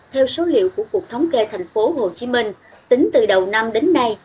theo số liệu của cuộc thống kê thành phố hồ chí minh tính từ đầu năm đến nay